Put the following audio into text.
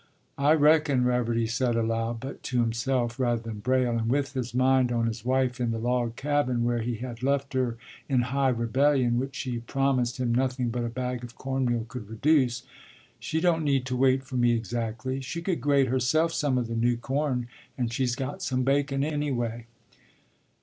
” “I reckon,” Reverdy said aloud, but to himself, rather than Braile, and with his mind on his wife in the log cabin where he had left her in high rebellion which she promised him nothing but a bag of cornmeal could reduce, “she don't need to wait for me, exactly. She could grate herself some o' the new corn, and she's got some bacon, anyway.